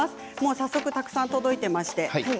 早速たくさん届いています。